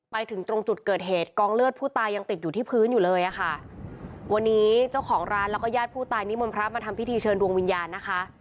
ไปถึงตรงจุดเกิดเหตุกองเลือดผู้ตายังติดอยู่ที่พื้นอยู่เลยอะค่ะวันนี้เจ้าของร้านแล้วก็ญาติผู้ตายนิมนต์พระมาทำพิธีเชิญดวงวิญญาณนะคะ